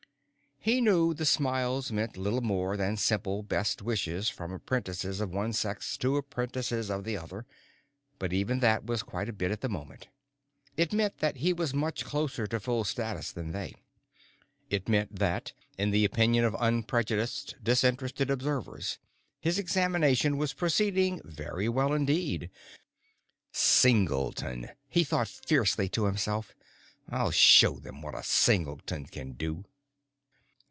He knew the smiles meant little more than simple best wishes from apprentices of one sex to apprentices of the other, but even that was quite a bit at the moment. It meant that he was much closer to full status than they. It meant that, in the opinion of unprejudiced, disinterested observers, his examination was proceeding very well indeed. Singleton, he thought fiercely to himself. _I'll show them what a singleton can do!